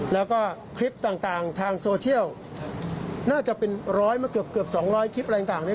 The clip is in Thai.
แล้วก็คลิปต่างทางโซเชียลน่าจะเป็นร้อยมาเกือบ๒๐๐คลิปอะไรต่างเนี่ย